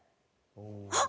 あっ！